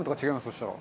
そしたら。